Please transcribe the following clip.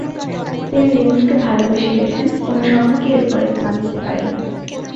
তিনি লিন্ৎসকে ভালবেসে গেছেন, কোন শহরকে এর উপরে স্থান দিতে পারেননি।